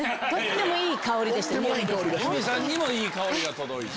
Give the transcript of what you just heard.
由美さんにもいい香りが届いて。